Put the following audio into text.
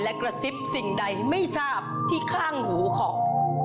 และกระซิบสิ่งใดไม่ทราบที่ข้างหูของ